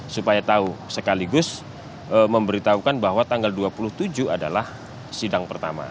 supaya tahu sekaligus memberitahukan bahwa tanggal dua puluh tujuh adalah sidang pertama